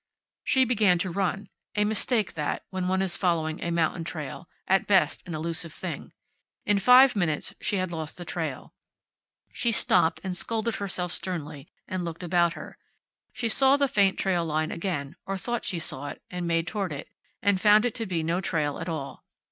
She began to run. A mistake, that, when one is following a mountain trail, at best an elusive thing. In five minutes she had lost the trail. She stopped, and scolded herself sternly, and looked about her. She saw the faint trail line again, or thought she saw it, and made toward it, and found it to be no trail at all.